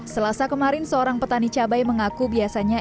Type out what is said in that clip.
selasa kemarin seorang petani cabai mengaku biasanya